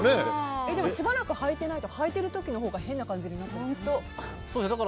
しばらくはいてないとはいている時のほうが変な感じになりませんか？